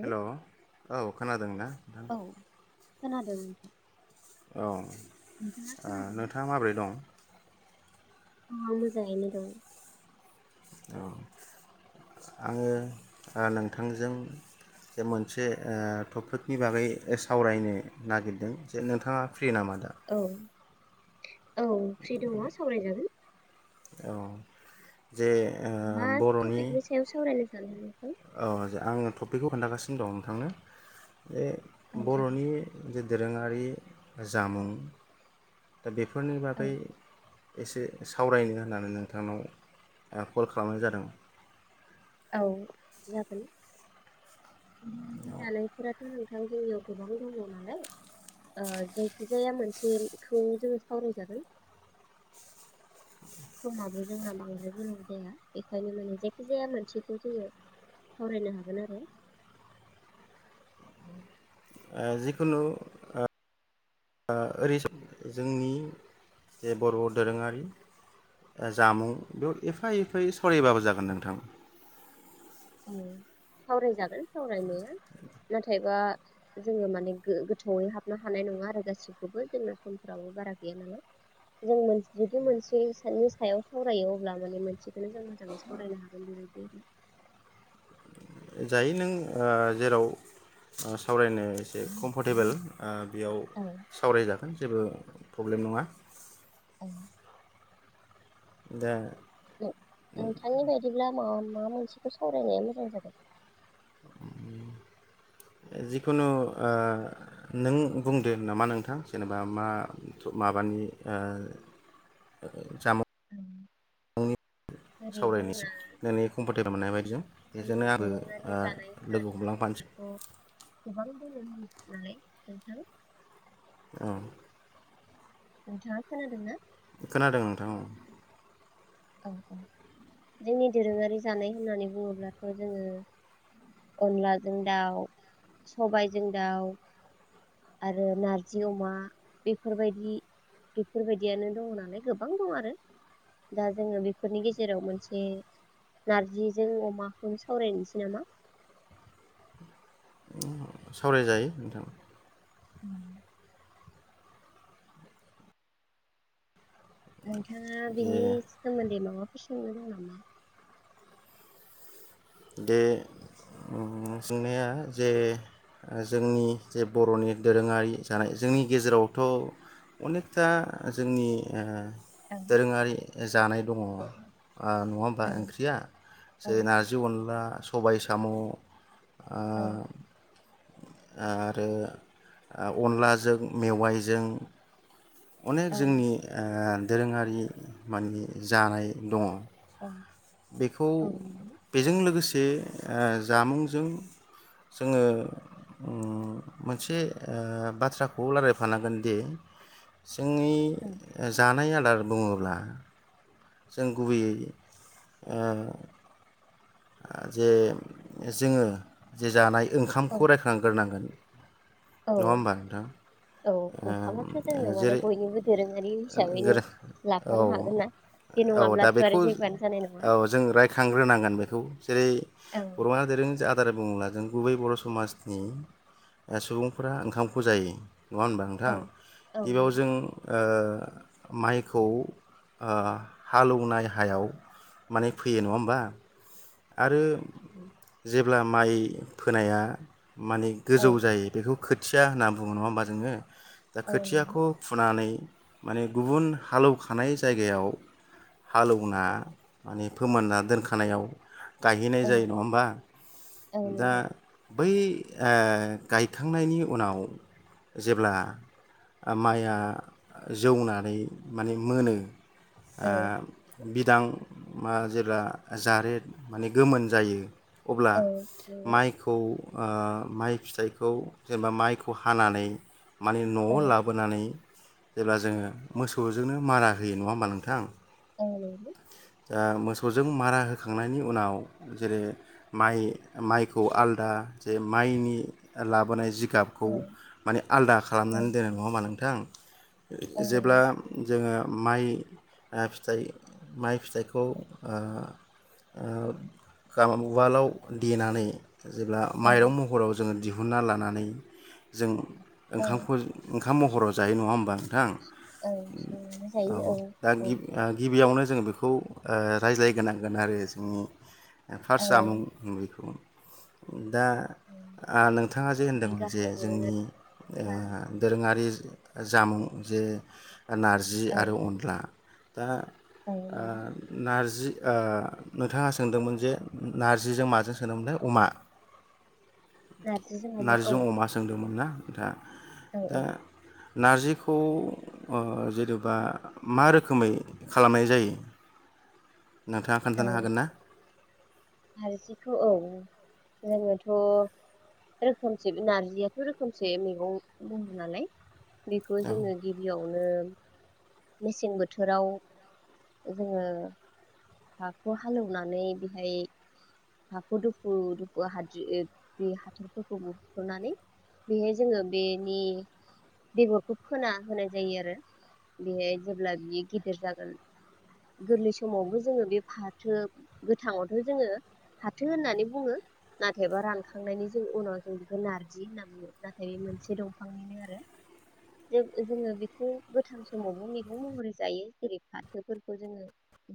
हेल औ खोनादों ना औ खोनादों नोंथां औ ओ नोंथाङा खोनादों नोंथाङा माबोरै दं औ आं मोजाङैनो दं औ आङो नोंथांजों जे मोनसे ओ टपिकनि बागै सावरायनो नागिरदों जे नोंथाङा फ्रि नामा दा औ औ फ्रि दङ सावरायजागोन औ जे ओ मा बर'नि टपिकनि सायाव सावरायनो सानो [unintelligible] औे आं थ टपिखौ खोन्थागासिनो दं नोंथांनो बे औ जागोन बरनि दो दोरोङारि जामुं बेफोरनि औ बागै एसे सावरायनो होननानै नोंथांनाव आं कल खालामनाय जादों। औ जागोन। जानायफोराथ नोंथा ओमफ्राय जोंनियाव गोबां दङ नालाय ओ जायखिजाया मोनसेखौ जोङो सावरायजागोन। समाबो जोंना बांद्राय गोलाव जाया बेखायनो माने जायखिजाया मोनसेखौ जोङो सावरायनो हागोन आरो। जिखुनु ओरै जोंनि जे बर दोरोङारि जामुं बेयाव एफा एफायै सावरायबाबो जागोन नोंथां। औ सावरायजागोन। सावरायनाया नाथायबा जोङो माने गोथौयै हाबनो हानाय नङा आरो गासिखौबो जोंना समफ्राबो बारा गैया नालाय जों जुदि मोनसेनि सायाव सावरायो अब्ला माने मोनसेखौनो जों मोजाङै सावरायनो हागोन बेबायदि आरो। जायो नों जेराव सावरायनो एसे कम्फर्टेबोल ओ बेयाव आरो सावरायजागोन जेबो प्रब्लेम नङा। औ दा नों नोंथांनि बायदिब्ला माबा मा मोनसेखौ सावरायनाया मोजां जागोन। जिखुनु आ नों बुंदो नामा नोंथां जेनेबा मा माबानि आ जामुं जेरै जोंना सावरायनोसै नोंनि कम्फर फैबा मोन्नाय बायदिजों बेजोंनो जोंनि आंबो दोरोङारि ओ जानाय लोगो होननानै हमलांफानोसै बुङोब्लाथ गोबां द नालाय नोंथां। औ नोंथाङा खोनादों ना खोनादों नोंथां ओ। औ-औ जोंनि दोरोङारि जानाय होननानै बुङोब्लाथ जोङो अनलाजों दाउ सबायजों दाउ आरो नारजि अमा बेफोरबायदि बेफोरबायदियानो दङ नालाय गोबां दं आरो। दा जोंङो बेफोरनि गेजेराव मोनसे नार्जिजों अमाखौनो सावरायनोसै नामा? सावरायजायो नोंथां। नोंथाङा जे बिनि सोमोन्दै माबाफोर सोंनो दङ नामा? दे ओ जेंनाया जे जोंनि जे बर'नि दोरोङारि जा जोंनि गेजेरावथ' अनेकथा जोंनि आ औ दोरोङारि ओ जानाय दङ। ओ नङा होमबा औ ओंख्रिया औ जे नार्जि अनला सबाइ साम' ओ आरो अनलाजों मेवाइजों अनेक औ जोंनि आ दोरोङारि माने जानाय दङ। औ बेखौ औ नंगौ बेजों लोगोसे ओ जामुंजों जोङो उम मोनसे ओ बाथ्राखौ लारायफानांगोनदि जोंनि औ जानाय आदार बुङोब्ला जों गुबैयै ओ ओ जे जोङो जे जानाय ओंखामखौ औ रायखांग्रोनांगोन। औ नङा होमबा नोंथां औ ओम ओंखामाथ' जोंनो माने जेरै बयनिबो दोरोङारि ओ हिसाबैनो गोरा औ लाफानो हागोन ना बे औ दा नङाब्लाथ' आरो बेखौ जेबोआनो जानाय नङा औ जों रायखांग्रोनांगोन बेख जेरै औ बर'आ दोरों आदार बुं बुंब्ला जों गुबै बर' समाजनि ओ सुबुंफोरा ओंखामखौ जायो। नङा होनबा औ नोंथां औ गिबियाव नंगौ जों ओ माइखौ ओ हालौवनाय हायाव माने फैयो नङा हमबा? आरो जेब्ला माइ फोनाया माने औ गोजौ जायो बेखौ खोथिया होनना बुङो नङा होमबा जोङो? दा औ नंगौ खोथियाखौ फुनानै माने गुबुन हालौखानाय जायगायाव हालौना माने फोमोनना दोनखानायाव गायहैनाय औ जायो नङा होमबा औ दा नंगौ बै ओ गायखांनायनि उनाव जेब्ला माइआ जौनानै माने मोनो ओ औ बिदां मा जेब्ला जारेद माने गोमोन जायो अब्ला औ नंगौ माइखौ ओ माइ फिथाइखौ जेनेबा माइखौ हानानै माने न'आव औ लाबोनानै जेब्ला जोङो मोसौजोंनो मारा होयो नङा होमबा नोंथां? औ ओ मोसौजों मारा होखांनायनि उनाव जेरै माइ माइखौ आलदा जे माइनि लाबोनाय जि जिगाबखौ औ माने आलदा औ खालामनानै दोनो नङा होमबा नोंथां? जेब्ला नंगौ जोङो माइ ओ फिथाइ माइ फिथाइखौ ओ उवालाव देनानै जेब्ला औ माइरं महर जोङो दिहुन हुना लानानै जों औ ओंखामखौ खाम महराव जायो नङा होमबा नोंथां? औ संनानै जायो औ दा औ गिबि ओ गिबियावनो जोङो बेखौ ओ रायज्लायगोनांगोन आरो जोंनि फार्स्ट औ जामुं [unintelligible] उम दा ओ नोंथाङा जे जोंनि होनदोंमोन जे गाहाय जोंनि दोरोङारिखा ओ दोरोङारि जामुं जे नारजि औ आरो अनला दा औ नंगौ ओ नारजि ओ नोंथाङा सोंदोंमोन जे नार्जिजों माजों सोंदोंमोनथाय अमा नारजिजों औ नार्जिजों अमा सोंदोंमोन ना? दा औ दा औ नारजिखौ ओ जेनेबा मा रोखोमै खालामनाय जायो? नोंथाङा औ खोन्थानो हागोन ना? नारजिखौ ओं जोङोथ' रोखोमसे नारजियाथ' रोखोमसे मैगं बुंङो नालाय बेखौ औ जोङो गिबियावनो मेसें बोथोराव जोङो हाखौ हालेवनानै बेहाय हाखौ दुफु दुफु हाद्रि बे हाथरफोरखौ बुख'नानै बेहाय जोङो बेनि बेगरखौ फोना होनाय जायो आरो बेहाय जेब्ला बियो गिदिर जागोन गोरलै समावबो जोङो बे फाथो गोथाङावथ' जोङो फाथो होन्नानै बुङो नाथायबा रानखांनायनि जों उनाव जों बेखौ नारजि होन्ना बुङो नाथाय बे मोनसे दंफांनिनो आरो ज जोङो बेखौ गोथां समावबो मैगं महरै जायो जेरै फाथोफोरखौ जोङो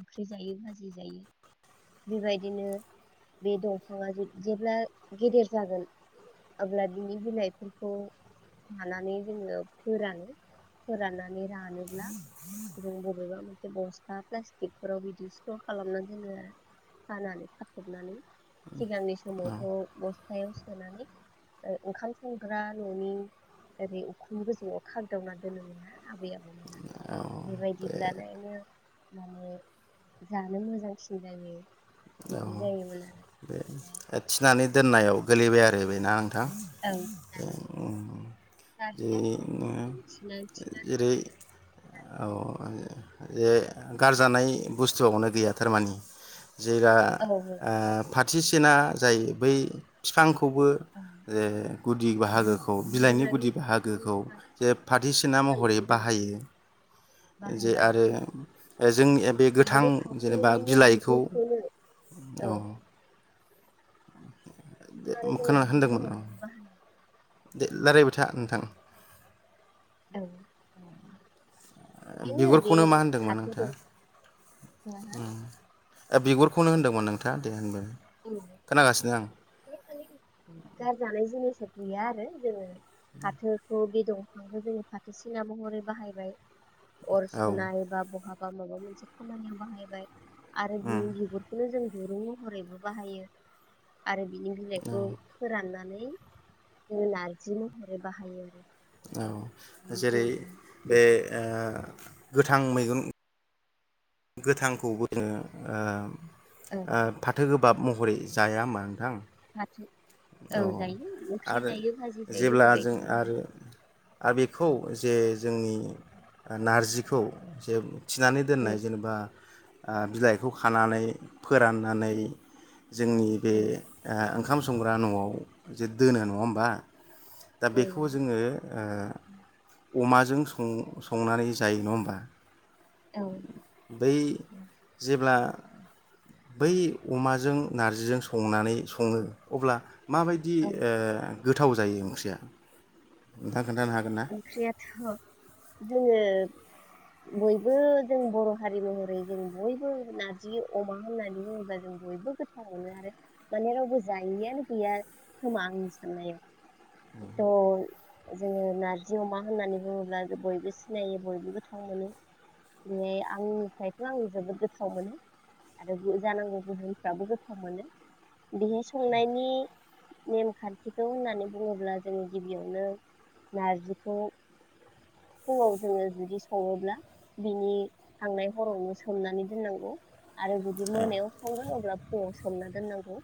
ख्रि जायो भाजि जायो बेबायदिनो बे दंफाङा जे-जेब्ला गेदेर जागोन अब्ला बिनि बिलाइफोरखौ लानानै जोङो फोरानो फोराननानै रानोब्ला जों बबेबा मोनसे बस्टा प्लास्टिक बेफोराव बिदि स्र' खालामना दोनो आरो खानानै खाथबनानै सिगांनि समावथ' बस्थायाव सोनानै ओ ओंखाम संग्रा न'नि ओरै उखुम गोजौवाव खागदावना दोनोमोन ना आबै आबौमोना बेबायदिब्लालायनो माने जानो मोजांसिन जायो बिदि जायोमोन आरो। ओमफ्राय ओ थिनानै दोननायाव गोलैबाय आरो बे नां थां ओं थिनानै उम उम जै नारजियाथ' जों थिनानै थिनानै जेरै औ ए गारजानाय बुस्थुआवनो गैया थारमानि। जिरा औ ओ फाथ थ्रिस थिना जायो बै फिफां खौबो ओं जे गुदि फांखा बाहागोखौ बिलाइनि जेब्ला बे गुदि बिलाइखौ बाहागोखौ जे खानानै फाथसिना महरै फोरानगोन ओं बाहायो ओ जे बाहायबाय आरो एस जोंनिए बे आरो गोथां जेनेबा फाथोनिनो बिलाइखौ बिगुरखौनो औ। आरो जों खोनानो होनदोंमोन औ [inaudible] बाहायो। दे लायरायबाय था नोंथां। [inaudible] औ ओंखायनो आरो बे बिगुरखौनो मा होनदोंमोन फाथो नोंथाङा? दंफाङा उम बिगुरखौनो होन्दोंमोन नोंथाङा दे होनबा। गारजानाय जिनिस गैया आरो जोङो फाथोखौ बे दं। फांखौ जोङो फाथो सिना महरै बाहायबाय। अर औ सुनाय बा बहा बा माबा मोनसे खामानियाव बाहायबाय। आरो उम बेनि बिगुरखौनो जों दुरुं महरैबो बाहायो। आरो बिनि औ बिलाइखौ फोराननानै जों नारजि महरै बाहायो आरो। औ ओमफ्राय जेरै जोङो बे ओ गोथां मैगन गोथांखौ बो नो ओ औ ओ फाथो गोब बाब महरै जाया होमबा नोंथां? फाथो औ जायो ओंख्रि आरो जायो भाजि जायो बेबायदिनो आरो ओ बेखौ जे जोंनि नारजिखौ जे थिनानै आरो दोननाय बा ओ बिलाइखौ खानानै फोराननानै जोंनि बे ओ ओंख खाम संग्रा न'आव जे दोनो नङा होमबा? दा औ बेखौ जोङो ओ अमाजों सं-संनानै जायो नङा होमबा? औ बै जेब्ला बै अमाजों नारजिजों संनानै सङो अब्ला माबायदि औ ओ गोथाव जायो ओंख्रिया? नोंथां ओंख्रियाथ' जोङो बयबो जों बर' हारि महरै जों बयबो नारजि अमा होननानै बुङोबा जों बयबो गोथाव मोनो आरो माने रावबो जायैआानो गैया खोमा आंनि साननायाव थ' जोङो नार जि अमा होननानै बुङोब्ला बयबो सिनायो बयबो गोथाव मोनो बेहाय आंनिफ्रायथ' आं जोबोद गोथाव मोनो आरो जानांगौ गुबुनफ्राबो गोथाव मोनो बेहाय संनायनि नेमखान्थिखौ होननानै बुङोब्ला जोङो गिबियावनो नारजि खौ फुङाव जोङो जुदि सङोब्ला बिनि थांनाय हरावनो सोमनानै दोननांगौ आरो जुदि मोनायाव संगोन अब्ला फुङाव सोमना दोननांगौ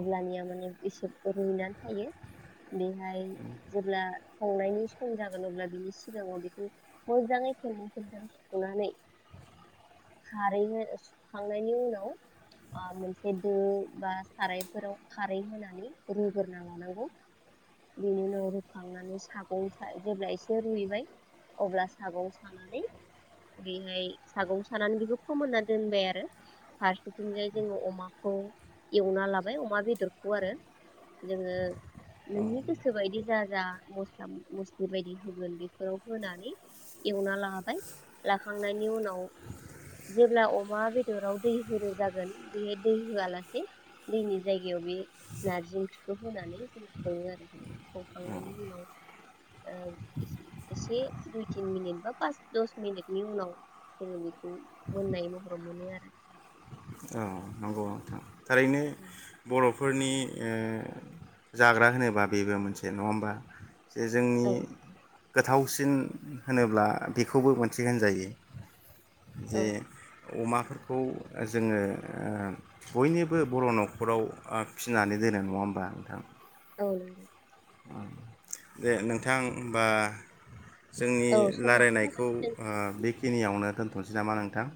अब्लानिया माने एसे रुइना थायो बेहाय जेब्ला संनायनि खम जागोन अब्ला बिनि सिगाङाव बेखौ मोजाङै खेबनै खेबथाम सुनानै खारै सुखांनायनि उनाव ओ मोनसे दो बा सारायफोराव खारै होनानै रुगोरना लानांगौ बेनि उनाव रुखांनानै सागं जेब्ला एसे रुइबाय अब्ला सागं सानानै बेहाय सागं सानानै बेखौ फोमोनना दोनबाय आरो फारसेथिंजाय जोङो अमाखौ एवना लाबाय अमा बेदरखौ आरो जोङो नोंनि गोसोबायदि जा जा मस्ला मस स्लि बेबायदि होगोन बेफोराव होनानै एवना लाबाय लाखांनायनि उनाव जेब्ला अमा बेदराव दै होनो जागोन बे दै होआलासे दैनि जायगायाव बे नारजि ओंख्रिखौ होनानै जोंङ सङो आरो संखांनायनि उनाव ओ एसे दुइ तिन मिनिट बा पास दस मिनिटनि उनाव जोङो बेखौ मोननाय महराव मोनो आरो। औ नंगौ नोंथां थारैनो आरो बर' फोरनि ओ जाग्रा होनोबा बेबो मोनसे नङा होमबा? जे जोंनि गोथावसिन होनोब्ला बेखौबो मोनसे होनजायो। औ जे अमाफोरखौ जोङो ओ बयनिबो बर' न'खराव ओ फिनानै दोनो नङा होमबा नोंथां? औ नोंगौ। दे नोंथां होमबा जोंनि औ समाबो लायरायनायखौ जाबाय ओ दोनथ'नोसै बेखिनियावनो दोन थनोसै नामा नोंथां?